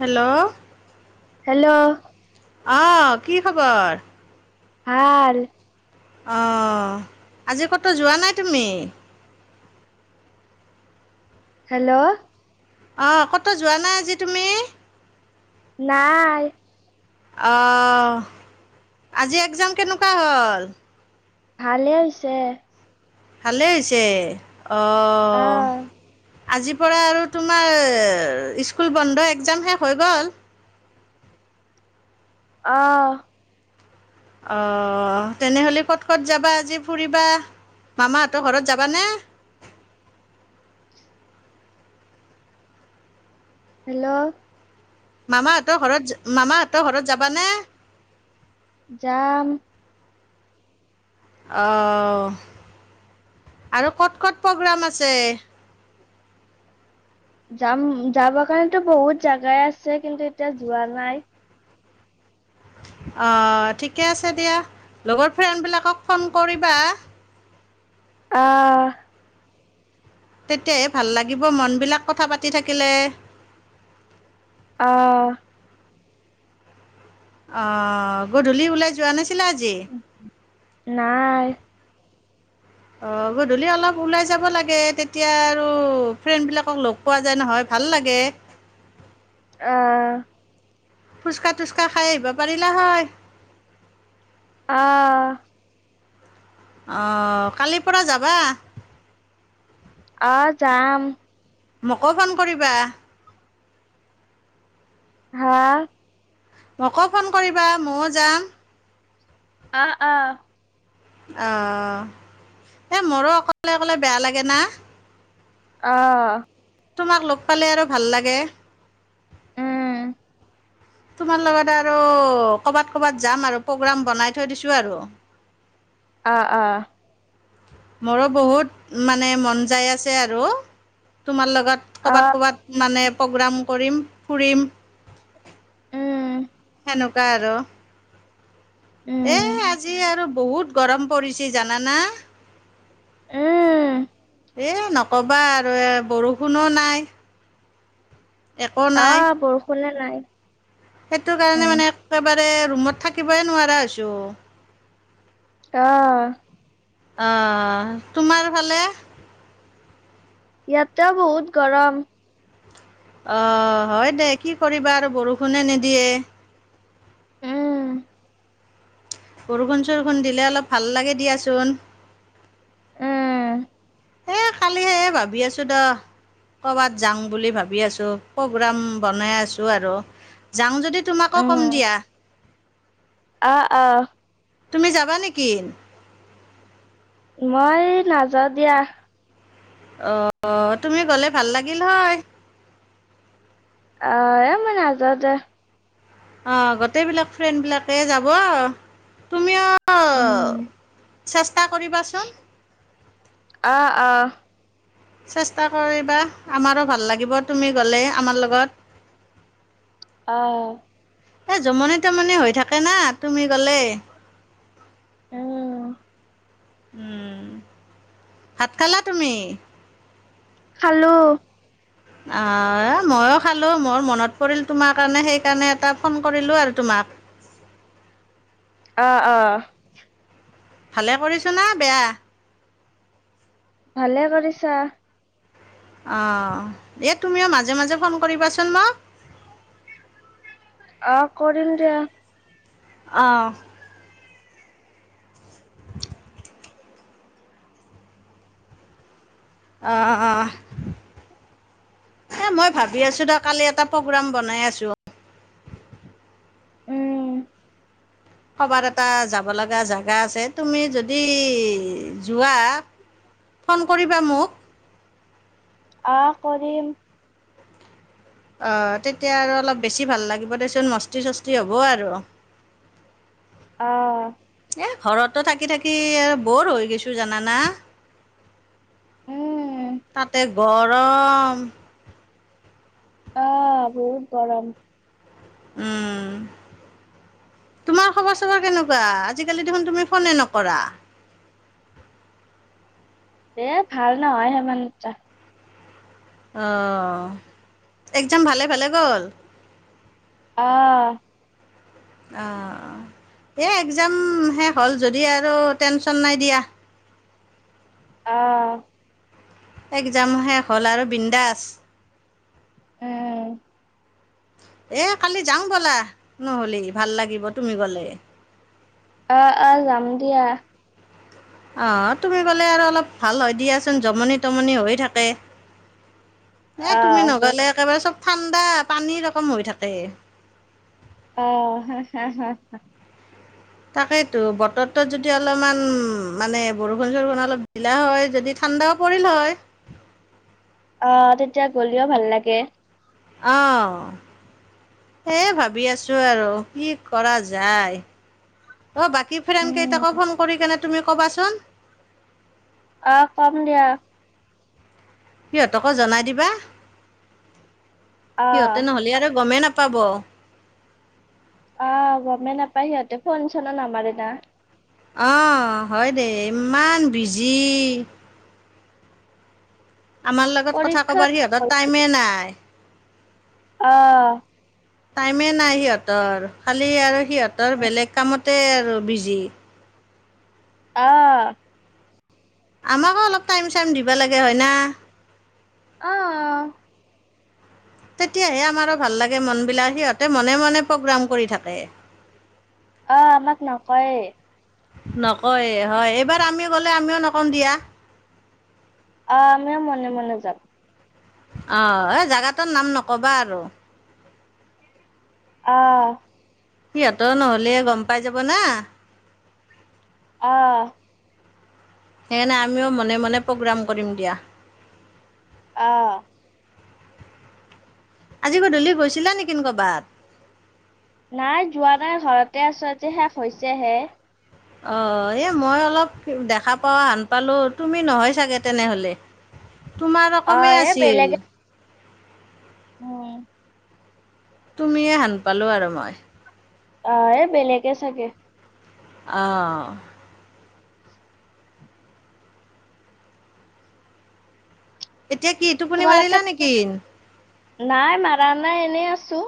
Hello hello অহ কি খবৰ? ভাল। অ আজি ক'তো যোৱা নাই তুমি? হেল্ল' অঁ‌ কটো যোৱা নাই আজি তুমি? নাই অঁ আজি এক্সাম কেনেকুৱা হ'ল। ভালেই হৈছে। ভালে হৈছে। অঁ আহ আজিৰ পৰা আৰু তোমাৰ স্কুল বন্ধ এক্সাম শেষ হৈ গ'ল। অহ অ তেনেহ'লে ক'ত-ক'ত যাবা আজি ফুৰিবা মামাহঁতৰ ঘৰত যাবানে? হেল্ল' মামাহঁতৰ ঘৰত মামাহঁতৰ ঘৰত যাবানে? যাম। অ আৰু ক'ত-ক'ত প্ৰগ্ৰাম আছেই। যাম যাবৰ কাৰণেতো বহুত জেগাই আছে কিন্তু এতিয়া যোৱা নাই। অ ঠিকে আছে দিয়া লগৰ ফ্ৰেণ্ডবিলাকক ফোন কৰিবা। আহ তেতিয়াহে ভাল লাগিব মনবিলাক কথা পাতি থাকিলে। অহ অ গধূলি ওলাই যোৱা নে? নাই। অঁ গধূলি অলপ ওলাই যাব লাগে তেতিয়া আৰু ফ্ৰেণ্ডবিলাকক লগ পোৱা যায় নহয় ভাল লাগে অহ ফুচকা তুচকা খাই আহিব পাৰিলা হয় অহ অঁ কালিৰ পৰা যাবা অ যাম মোকো ফোন কৰিবা হাঁ মোকো ফোন কৰিবা মইয়ো যাম অহ অহ অঁ এই মোৰো অকলে অকলে বেয়া লাগে না অহ তোমাক লগ পালে আৰু ভাল লাগে উম তোমাৰ লগত আৰু কৰ'বাত ক'ৰবাত যাম আৰু প্ৰগ্ৰাম বনাই থৈ দিছো আৰু অহ অহ মোৰো বহুত মানে মন যায় আছে আৰু তোমাৰ লগত ক'ৰবাত আহ ক'ৰবাত মানে প্ৰ'গ্ৰাম কৰিম ফুৰিম উম এনেকুৱা আৰু এ উম আজি আৰু বহুত গৰম পৰিছে জানানা উম [inaudible] এ নকবা আৰু এ বৰষুণো নাই একো অ নাই বৰষুণে নাই সেইটো কাৰণে উম মানে একেবাৰ ৰুমত থাকিবএ নোৱাৰা হৈছো অহ অহ তোমাৰ ফালে ইয়াতো বহুত গৰম অ হয় দে কি কৰিবা আৰু বৰষুণে নিদিয়ে উম বৰষুণ চৰষুণ দিলে অলপ ভাল লাগে দিয়াচোন উম এই কালিহে ভাবি আছো দ কৰ'বাত যাওঁ বুলি ভাবি আছো প্ৰগাম বনাই আছো আৰু যাওঁ যদি তোমাকো উম কম দিয়া আহ আহ তুমি যাবা নেকি মই নাযাওঁ দিয়া অ তুমি গ'লে ভাল লাগিল হয় অ এ মই নাজাও দে অ গোটেই বিলাক ফ্ৰেণ্ড বিলাকে যাব তুমিও অ উম চেষ্টা কৰিবাচোন আহ আহ চেষ্টা কৰিবা আমাৰো ভাল লাগিব তুমি গ'লে আমাৰ লগত অহ এ জমনি তমনি হৈ থাকে না তুমি গলেই উম উমম ভাত খালা তুমি? খালো। অ মইয়ো খালো মোৰ মনত পৰিল তোমাৰ কাৰণে সেইকাৰণে এটা ফোন কৰিলো আৰু তোমাক। অ অ ভালে কৰিছো না বেয়া? ভালে কৰিছা। অ দে তুমিও মাজে মাজে ফোন কৰিবাচোন মোক। অ কৰিম দিয়া অঁ [inaudible] অ অ এ মই ভাবি আছো দ কালি এটা প্ৰগ্ৰাম বনাই আছো। উম ক'বাত এটা যাব লগা জেগা আছে তুমি যদি যোৱা ফোন কৰিবা মোক। অহ কৰিম অ তেতিয়া আৰু অলপ বেছি ভাল লাগিব দেচোন মস্তি চস্তি হ'ব আৰু আহ ঘৰতো থাকি থাকি আৰু বৰ হৈ গৈছো জানা নে? উম তাতে গৰম অ--হ বহুত গৰম উম তোমাৰ খবৰ চবৰ কেনেকুৱা? আজিকালি দেখোন তুমি ফোনে নকৰা। এ ভাল নহয় সেমান এটা অঁ এক্সজাম ভালে ভালে গ'ল অ' অ' এই এক্সজাম শেষ হ'ল যদি আৰু টেনচন নাই দিয়া। অ' এক্সাম শেষ হ'ল আৰু বিন্দাস। উম এই কালি যাওঁ ব'লা নহ'লে, ভাল লাগিব তুমি গ'লে। অ' অ' যাম দিয়া। অ' তুমি গ'লে আৰু অলপ ভাল হৈ দিয়াচোন জমনি-তমনি হৈ থাকে। এই তুমি আহ নগ'লে একেবাৰে চ'ব ঠাণ্ডা পানী ৰকম হৈ থাকে। অ' হাহ, হাহ, হাহ তাকেইটো বতৰটো যদি অলপমান মানে বৰষুণ-চৰষুণ অলপ দিলে হয় যদি ঠাণ্ডাও পৰিল হয়। অ' তেতিয়া গ'লেও ভাল লাগে। অ' সেয়ে ভাবি আছোঁ আৰু কি কৰা যায়। অ' বাকী ফ্ৰেণ্ড কেইটাকো উম ফোন কৰি কেনে তুমি ক'বাচোন। অ' ক'ম দিয়া। সিহঁতকো জনাই দিবা। আহ সিহঁতে নহ'লে আৰু গমেই নাপ পাব অ' গ'মেই নাপায় সিহঁতে ফোন-চনো নামাৰে দিয়া। অ' হয় দিয়া ইমান বিজি। আমাৰ লগত কথা পৰীক্ষা ক'বৰ সিহঁতৰ টাইমেই নাই। অ'। টাইমেই নাই সিহঁতৰ খালি আৰু সিহঁতৰ আহ বেলেগ কামত তাতে আৰু বিজি। অ' আমাকো অলপ টাইম-চাইম দিব লাগে হৈ না। অ' তেতিয়াহে আমাৰো ভাল লাগে মনবিলাক, সিহঁতে মনে-মনে প্ৰগ্ৰাম কৰি থাকে। অ' আমাক নক'য়ে। নক'য়ে হয়, এইবাৰ আমি গ'লে আমিও নকওঁ দিয়া। অ' আমিও মনে -মনে যাম। অ' এই জেগাটোৰ নাম নক'বা আৰু। অ' সিহঁতে নহ'লে গ'ম পাই যাব না। অ' সেইকাৰণে আমিও মনে মনে প্ৰগ্ৰাম কৰিম দিয়া। অ' আজি গধূলি গৈছিলা নেকি ক'ৰবাত? নাই, যোৱা নাই ঘৰত তে আছোঁ আজি শেষ হৈছেহে। অ' এই মই অলপ দেখা পোৱা হান পালো, তুমি নহয় চাগে তেনেহ'লে। তোমাৰ অ ৰকমে এ আছিল বেলেগে উম। তুমিয়ে হান পালো আৰু মই। অঁহ এ বেলেগে চাগে। অ' এতিয়া কি টোপনি তোমালোকে মাৰিলা নেকি। নাই মাৰা নাই এনেই আছো।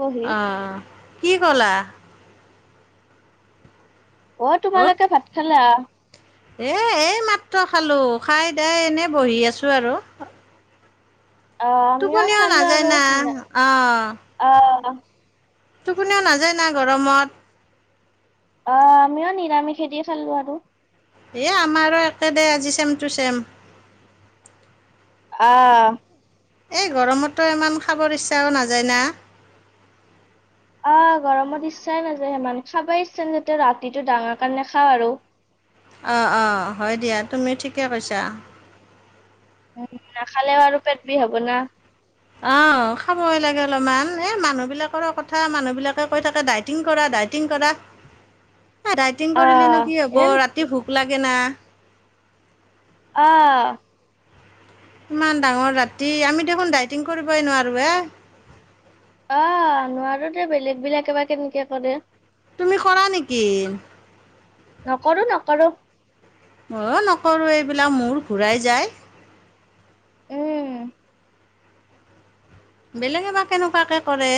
বহি অঁ কি কলা। অ তোমালোকে ভাত খালা । এ এই মাত্ৰ খালোঁ, খাই দাই এনেই বহি আছো আৰু। অঁ আমিও টোপনিও খালো নাযায় আৰু না অ অঁ। টোপনিও নাযায় না গৰমত। অঁ আমিও নিৰামিষেদি খালোঁ আৰু । এই আমাৰো একেদে আজি চেম টু চেম। আঁ। এই গৰমতো ইমান খাবৰ ইচ্ছাও নাযায় না । অঁ গৰমত ইচ্ছাই নাযায় সিমান, খাবাই ইচ্ছা নাযায় ৰাতিটো ডাঙৰ কাৰণে খাওঁ আৰু। অঁ অঁ হয় দিয়া তুমিও ঠিকে কৈছা। উম নাখালেও আৰু পেট বিষ হব না । সময় লাগে অলপমান এই মানুহবিলাকৰো কথা মানুহবিলাকে কৈ থাকে ডাইটিং কৰা ডাইটিং কৰা। ডাইটিং কৰিলে নো আহ কি হ'ব? এন ৰাতি ভোক লাগ না অ। ইমান ডাঙৰ ৰাতি আমি দেখোন ডাইটিং কৰিবই নোৱাৰো য়ে অ', নোৱাৰো দে বেলেগ বিলাকে বা কেনকে কৰে তুমি কৰা নিকি? নকৰো, নকৰো। ময়ো নকৰো এইবিলাক মূৰ ঘূৰাই যায়। উম বেলেগে বা কেনে কোৱাকে কৰে।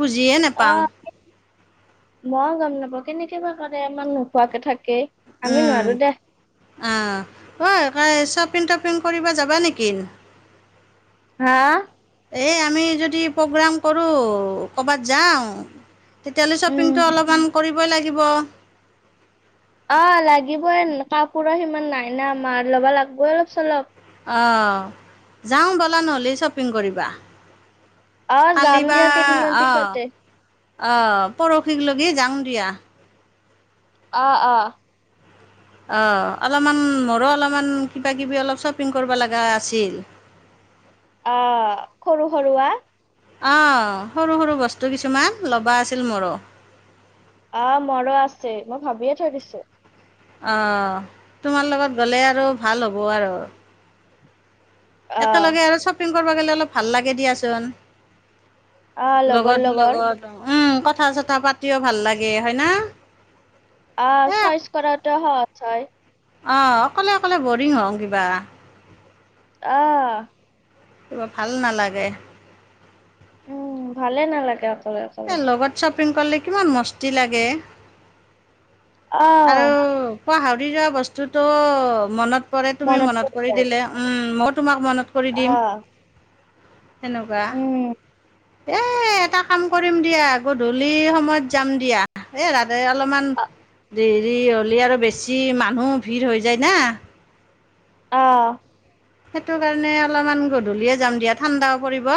বুজিয়ে নাপাও। আহ মই গম নাপাওঁ, কেনেকে বা কৰে ইমান নোখোৱাকে থাকে। আমি উম, নোৱাৰো দে অহ, ঐ শ্বপিং তপিং কৰিব যাবা নেকি? হা এই আমি যদি প্ৰগ্ৰেম কৰো ক'ৰবাত যাও তেতিয়া হ'লে শ্বপিংতো উম অলপমান কৰি কৰিবই লাগিব। অ', লাগিবই কাপোৰৰ সিমান নাই না আমাৰ ল'বা লাগিবই অলপ চলপ অ', যাও ব'লা নহ'লে শ্বপিং কৰিবা। অ', যাম কালি দিয়া কেইদিনমান পিছতে। অ', পৰহীক লগি জাং দিয়া। অ', অ। অ', অলপমান মোৰো অলপমান কিবা কিবি অলপ শ্বপিং কৰিব লগা আছিল। অ', সৰু সৰুৱা অ', সৰু, সৰু বস্তু কিছুমান ল'বা আছিল মোৰো। অ', মৰো আছে মই ভাবিয়ে থৈ দিছো। অ', তোমাৰ লগত গ'লে আৰু ভাল হ'ব আৰু। অ একেলগে আৰু শ্বপিং ফুৰবা গিলে অলপ ভাল লাগে দিয়াচোন। অ', লগৰ, লগত লগৰ লগত উম কথা চথা পাতিও ভাল লাগে হয় না? অ চইচ কৰাটো সহজ হয়। অ', অকলে, অকলে বৰিং হওঁ কিবা। অ। কিবা ভাল নালাগে। উম, ভালেই নালাগে এই [unintelligible] লগত শ্বপিং কৰিলে কিমান মস্তি লাগে। অ। মই হাউৰি যোৱা বস্তুটো মনত পৰে তুমি মনত পৰি দিলে, উম, মো তোমাক মনত কৰি দিম। আহ তেনেকুৱা। উম এ! এটা কাম কৰিম দিয়া, গধূলি সময়ত যাম দিয়া। এ! ৰাতি যাই অলপমান দেৰি হ'লে আৰু বেছি মানুহ ভিৰ হৈ যায় না। অ'! সেইটো কাৰণে অলপমান গধূলিয়ে যাম দিয়া, ঠাণ্ডাও পৰিব।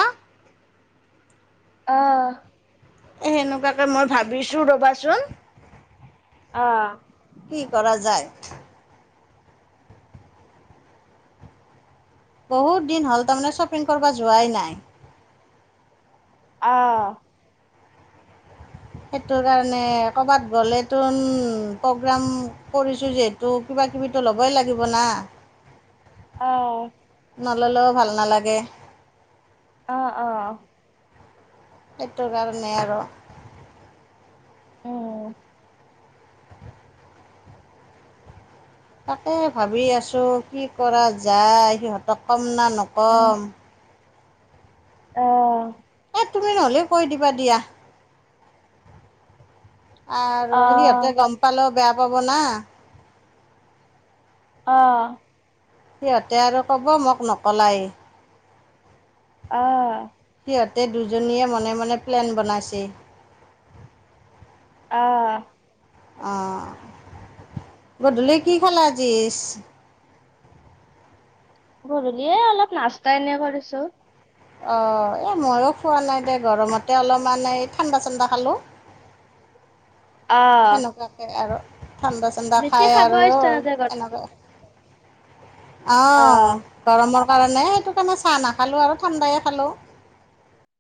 অ'! সেনেকুৱাকে মই ভাবিছোঁ ৰ'বাচোন! আহ কি কৰা যায়। বহুত দিন হ'ল তাৰমানে শ্বপিং কৰিব যোৱাই নাই। অ'! সেইটো কাৰণে, ক'ৰবাত গ'লে তো প্ৰগ্ৰাম কৰিছোঁ, যিহেতু কিবা কিবিতো ল'বই লাগিব না। অ'! নল'লেও ভাল নালাগে। অ'! অ'! সেইটো কাৰণে আৰু উম! তাকে ভাবি আছোঁ কি কৰা যায়। সিহঁতক কম কম না নকম। অ'! তুমি নহ'লে কৈ দিবা দিয়া। আৰু আহ সিহঁতে গম পালেও বেয়া পাব না। অ'! সিহঁতে আৰু ক'ব মোক নকলাই। অ'! সিহঁতে দুজনীয়ে মনে মনে প্লেন বনাইছে। অ'! অ'! গধূলি কি খালা আজি? গধূলি এ অলপ নাস্তা এনে কৰিছো। অ'! এ, ময়ো খোৱা নাই দে, গৰমতে অলপমান এই ঠাণ্ডা চাণ্ডা খালোঁ। আহ সেনেকুৱাকে আৰু ঠাণ্ডা চাণ্ডা বেছি খায় খাব আৰু ইচ্ছা নাযায় গধূলি এনেকৈ অঁ! আহ গৰমৰ কাৰণে, সেইটো কাৰণে চাহ নাখালোঁ আৰু ঠাণ্ডাই খালোঁ।